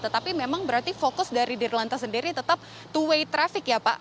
tetapi memang berarti fokus dari dirlanta sendiri tetap two way traffic ya pak